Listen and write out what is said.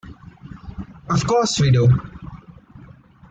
Of course we do.